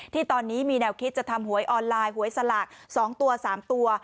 ที่ตอนนี้มีแนวคิดจะทำหวยออนไลน์หวยสลาก๒ตัว๓ตัว